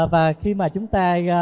và khi mà chúng ta